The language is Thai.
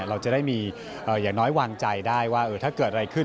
เราจะได้มีอย่างน้อยวางใจได้ว่าถ้าเกิดอะไรขึ้น